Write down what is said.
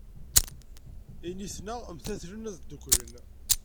Initen-a mtatlen ad ddukklen.